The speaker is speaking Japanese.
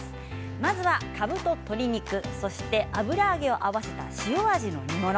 まずは、かぶと鶏肉そして油揚げを合わせた塩味の煮物。